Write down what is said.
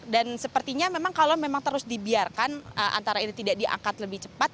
dan sepertinya memang kalau memang terus dibiarkan antara ini tidak diangkat lebih cepat